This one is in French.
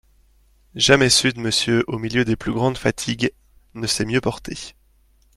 Jamais sud M., au milieu des plus grandes fatigues, ne s'est mieux portée.